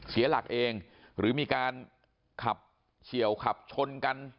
เสียหลักเองหรือมีการขับเฉียวขับชนกัน